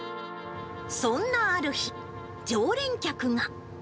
そんなある日、常連客が。